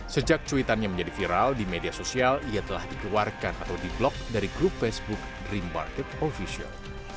sejak cuitannya menjadi viral di media sosial ia telah dikeluarkan atau di blog dari grup facebook dream market official